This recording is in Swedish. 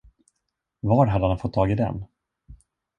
Var hade han fått tag i den?